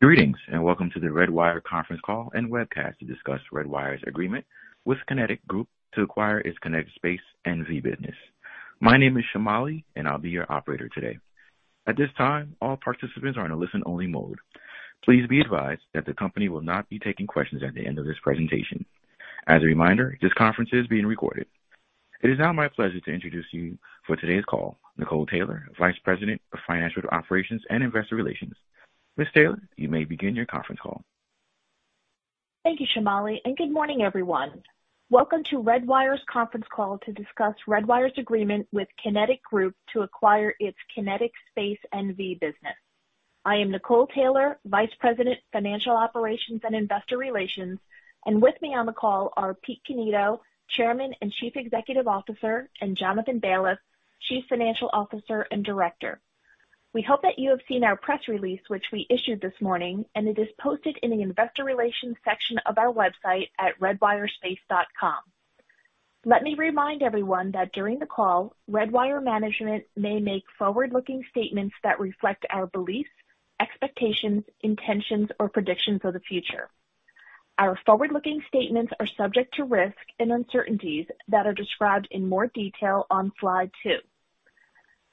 Greetings, and welcome to the Redwire Conference Call and Webcast to discuss Redwire's agreement with QinetiQ Group to acquire its QinetiQ Space NV business. My name is Shamali, and I'll be your operator today. At this time, all participants are in a listen-only mode. Please be advised that the company will not be taking questions at the end of this presentation. As a reminder, this conference is being recorded. It is now my pleasure to introduce you to today's call Nicole Taylor, Vice President of Financial Operations and Investor Relations. Ms. Taylor, you may begin your conference call. Thank you, Shamali, and good morning, everyone. Welcome to Redwire's Conference Call to discuss Redwire's agreement with QinetiQ Group to acquire its QinetiQ Space NV business. I am Nicole Taylor, Vice President, Financial Operations and Investor Relations, and with me on the call are Pete Cannito, Chairman and Chief Executive Officer, and Jonathan Baliff, Chief Financial Officer and Director. We hope that you have seen our press release, which we issued this morning, and it is posted in the investor relations section of our website at redwirespace.com. Let me remind everyone that during the call, Redwire management may make forward-looking statements that reflect our beliefs, expectations, intentions, or predictions of the future. Our forward-looking statements are subject to risks and uncertainties that are described in more detail on slide two.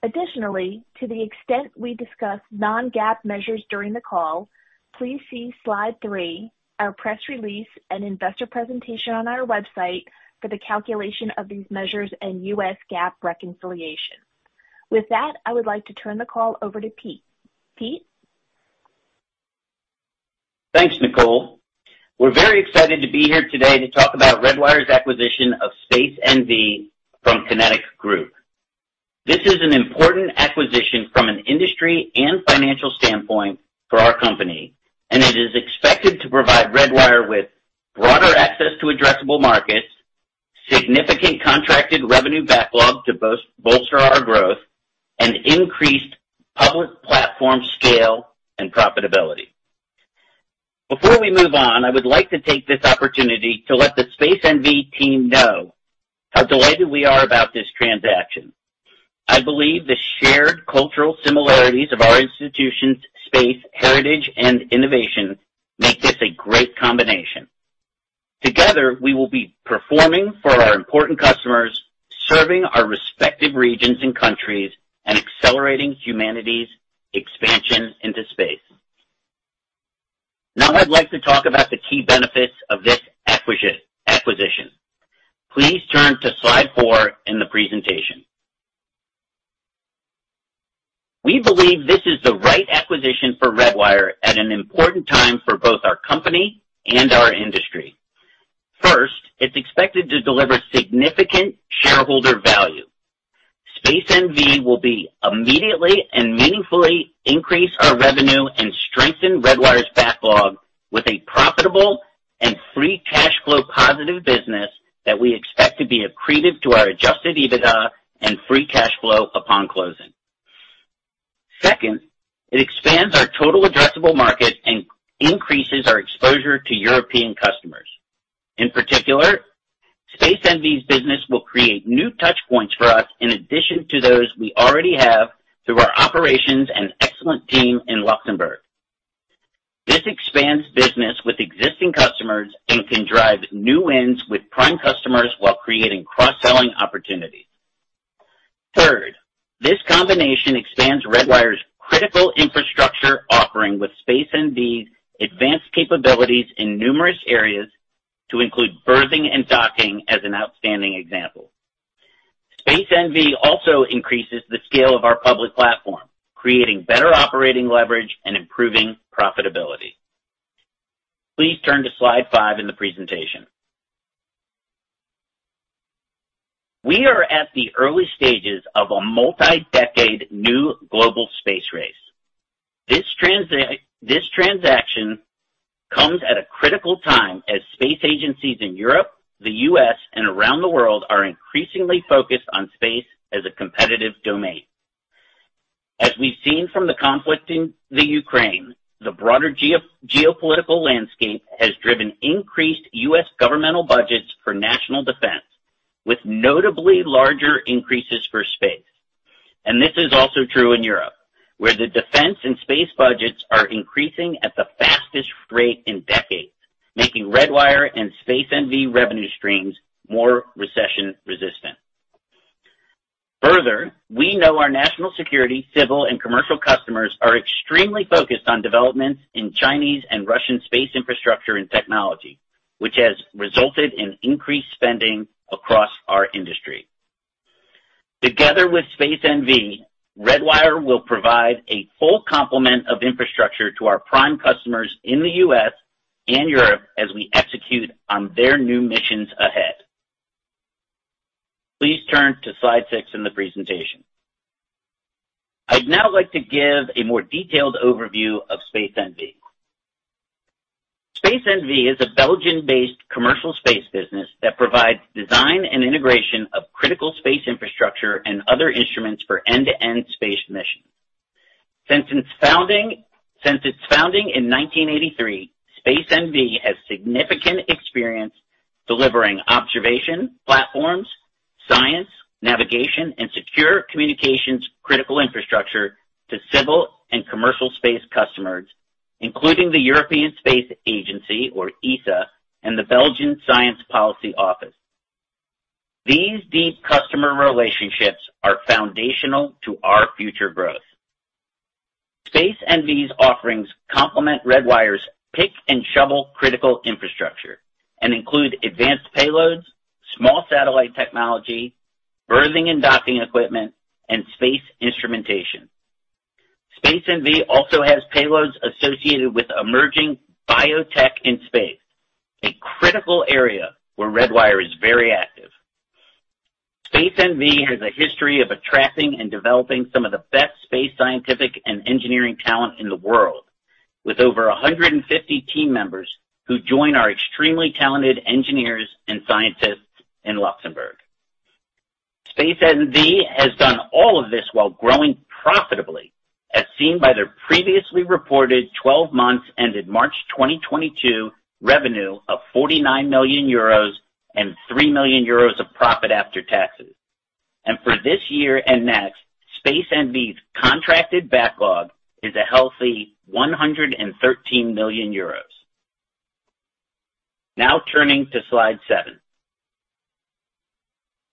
Additionally, to the extent we discuss non-GAAP measures during the call, please see slide three, our press release and investor presentation on our website for the calculation of these measures and US GAAP reconciliation. With that, I would like to turn the call over to Pete. Pete? Thanks, Nicole. We're very excited to be here today to talk about Redwire's acquisition of Space NV from QinetiQ Group. This is an important acquisition from an industry and financial standpoint for our company, and it is expected to provide Redwire with broader access to addressable markets, significant contracted revenue backlog to bolster our growth, and increased public platform scale and profitability. Before we move on, I would like to take this opportunity to let the Space NV team know how delighted we are about this transaction. I believe the shared cultural similarities of our institutions, space, heritage, and innovation make this a great combination. Together, we will be performing for our important customers, serving our respective regions and countries, and accelerating humanity's expansion into space. Now I'd like to talk about the key benefits of this acquisition. Please turn to slide four in the presentation. We believe this is the right acquisition for Redwire at an important time for both our company and our industry. First, it's expected to deliver significant shareholder value. Space NV will immediately and meaningfully increase our revenue and strengthen Redwire's backlog with a profitable and free cash flow positive business that we expect to be accretive to our adjusted EBITDA and free cash flow upon closing. Second, it expands our total addressable market and increases our exposure to European customers. In particular, Space NV's business will create new touch points for us in addition to those we already have through our operations and excellent team in Luxembourg. This expands business with existing customers and can drive new wins with prime customers while creating cross-selling opportunities. Third, this combination expands Redwire's critical infrastructure offering, with Space NV's advanced capabilities in numerous areas to include berthing and docking as an outstanding example. Space NV also increases the scale of our public platform, creating better operating leverage and improving profitability. Please turn to slide five in the presentation. We are at the early stages of a multi-decade new global space race. This transaction comes at a critical time as space agencies in Europe, the U.S., and around the world are increasingly focused on space as a competitive domain. As we've seen from the conflict in the Ukraine, the broader geopolitical landscape has driven increased U.S. governmental budgets for national defense, with notably larger increases for space. This is also true in Europe, where the defense and space budgets are increasing at the fastest rate in decades, making Redwire and Space NV revenue streams more recession-resistant. Further, we know our national security, civil, and commercial customers are extremely focused on developments in Chinese and Russian space infrastructure and technology, which has resulted in increased spending across our industry. Together with Space NV, Redwire will provide a full complement of infrastructure to our prime customers in the U.S. and Europe as we execute on their new missions ahead. Please turn to slide six in the presentation. I'd now like to give a more detailed overview of Space NV. Space NV is a Belgian-based commercial space business that provides design and integration of critical space infrastructure and other instruments for end-to-end space missions. Since its founding in 1983, Space NV has significant experience delivering observation platforms, science, navigation, and secure communications critical infrastructure to civil and commercial space customers, including the European Space Agency, or ESA, and the Belgian Science Policy Office. These deep customer relationships are foundational to our future growth. Space NV's offerings complement Redwire's pick and shovel critical infrastructure and include advanced payloads, small satellite technology, berthing and docking equipment, and space instrumentation. Space NV also has payloads associated with emerging biotech in space, a critical area where Redwire is very active. Space NV has a history of attracting and developing some of the best space scientific and engineering talent in the world, with over 150 team members who join our extremely talented engineers and scientists in Luxembourg. Space NV has done all of this while growing profitably, as seen by their previously reported 12 months ended March 2022 revenue of 49 million euros and 3 million euros of profit after taxes. For this year and next, Space NV's contracted backlog is a healthy 113 million euros. Now turning to slide seven.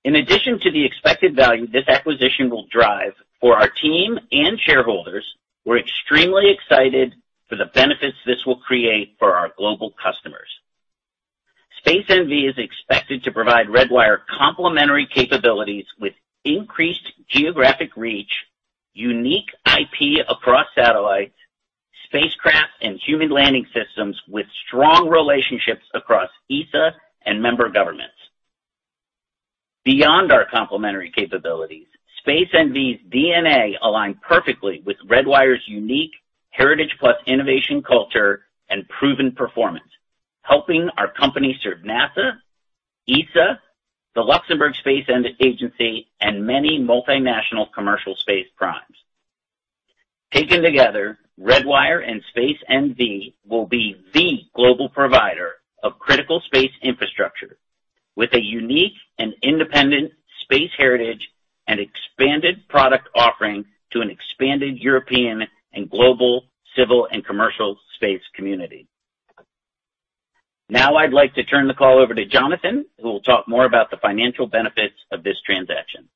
In addition to the expected value this acquisition will drive for our team and shareholders, we're extremely excited for the benefits this will create for our global customers. Space NV is expected to provide Redwire complementary capabilities with increased geographic reach, unique IP across satellites, spacecraft and human landing systems with strong relationships across ESA and member governments. Beyond our complementary capabilities, Space NV's DNA align perfectly with Redwire's unique heritage plus innovation culture and proven performance, helping our company serve NASA, ESA, the Luxembourg Space Agency, and many multinational commercial space primes. Taken together, Redwire and Space NV will be the global provider of critical space infrastructure with a unique and independent space heritage and expanded product offering to an expanded European and global civil and commercial space community. Now I'd like to turn the call over to Jonathan, who will talk more about the financial benefits of this transaction.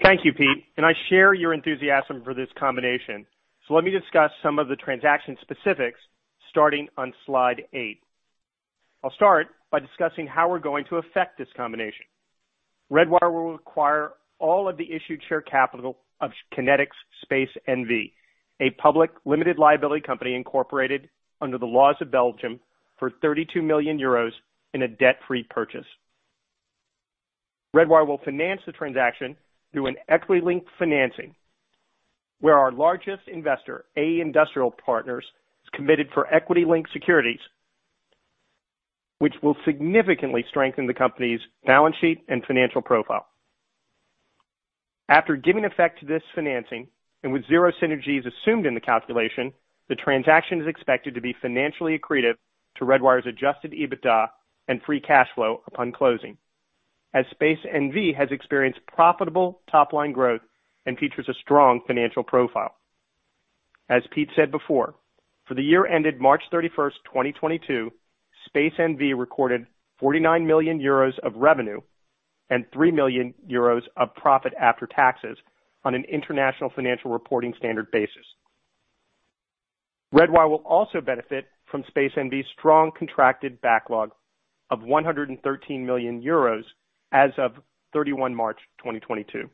Thank you, Pete, and I share your enthusiasm for this combination. Let me discuss some of the transaction specifics starting on slide eight. I'll start by discussing how we're going to effect this combination. Redwire will acquire all of the issued share capital of QinetiQ Space NV, a public limited liability company incorporated under the laws of Belgium for 32 million euros in a debt-free purchase. Redwire will finance the transaction through an equity-linked financing, where our largest investor, AE Industrial Partners, is committed for equity-linked securities, which will significantly strengthen the company's balance sheet and financial profile. After giving effect to this financing, and with zero synergies assumed in the calculation, the transaction is expected to be financially accretive to Redwire's adjusted EBITDA and free cash flow upon closing, as Space NV has experienced profitable top-line growth and features a strong financial profile. As Pete said before, for the year ended March 31st, 2022, Space NV recorded 49 million euros of revenue and 3 million euros of profit after taxes on an international financial reporting standard basis. Redwire will also benefit from Space NV's strong contracted backlog of 113 million euros as of 31st March, 2022.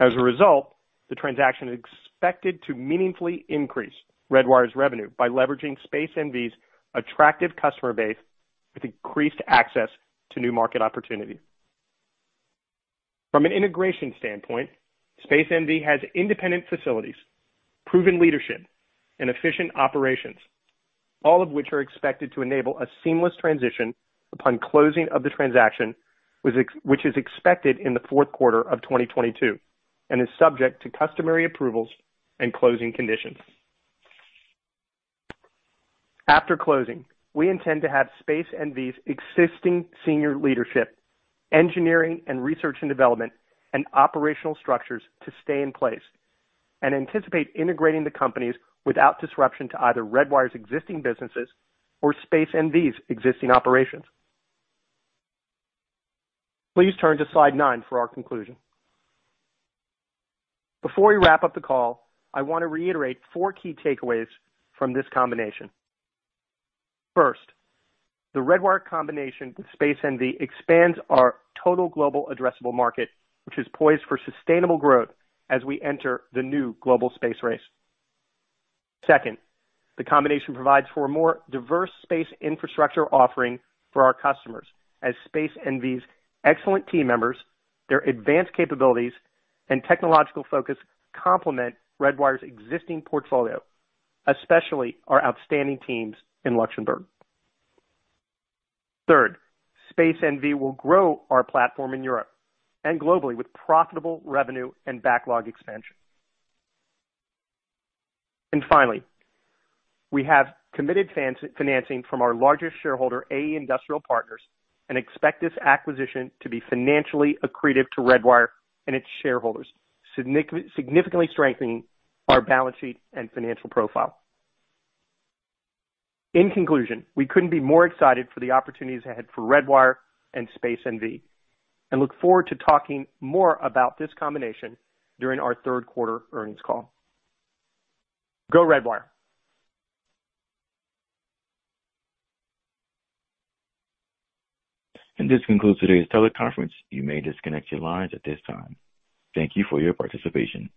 As a result, the transaction is expected to meaningfully increase Redwire's revenue by leveraging Space NV's attractive customer base with increased access to new market opportunities. From an integration standpoint, Space NV has independent facilities, proven leadership, and efficient operations, all of which are expected to enable a seamless transition upon closing of the transaction, which is expected in the Q4 of 2022 and is subject to customary approvals and closing conditions. After closing, we intend to have Space NV's existing senior leadership, engineering and research and development, and operational structures to stay in place and anticipate integrating the companies without disruption to either Redwire's existing businesses or Space NV's existing operations. Please turn to slide nine for our conclusion. Before we wrap up the call, I want to reiterate four key takeaways from this combination. First, the Redwire combination with Space NV expands our total global addressable market, which is poised for sustainable growth as we enter the new global space race. Second, the combination provides for a more diverse space infrastructure offering for our customers as Space NV's excellent team members, their advanced capabilities, and technological focus complement Redwire's existing portfolio, especially our outstanding teams in Luxembourg. Third, Space NV will grow our platform in Europe and globally with profitable revenue and backlog expansion. Finally, we have committed financing from our largest shareholder, AE Industrial Partners, and expect this acquisition to be financially accretive to Redwire and its shareholders, significantly strengthening our balance sheet and financial profile. In conclusion, we couldn't be more excited for the opportunities ahead for Redwire and Space NV, and look forward to talking more about this combination during our Q3 earnings call. Go, Redwire. This concludes today's teleconference. You may disconnect your lines at this time. Thank you for your participation.